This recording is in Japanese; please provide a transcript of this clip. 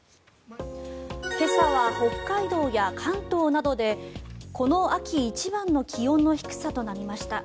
今朝は北海道や関東などでこの秋一番の気温の低さとなりました。